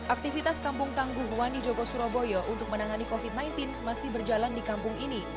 aktivitas kampung tangguh wani jogo surabaya untuk menangani covid sembilan belas masih berjalan di kampung ini